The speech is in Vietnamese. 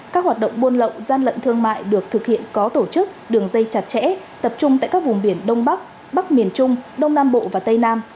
các hoạt động buôn lậu gian lận thương mại được thực hiện có tổ chức đường dây chặt chẽ tập trung tại các vùng biển đông bắc bắc miền trung đông nam bộ và tây nam